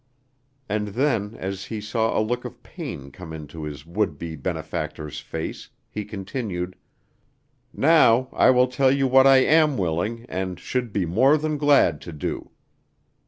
And then, as he saw a look of pain come into his would be benefactor's face, he continued: "Now, I will tell you what I am willing, and should be more than glad to do.